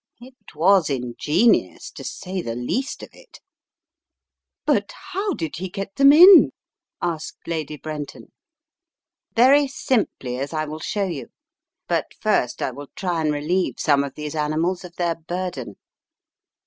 It was ingenious, to say the least of it!" "But how did he get them in?" asked Lady Bren ton. "Very simply, as I will show you. But first I will try and relieve some of these animals of their burden.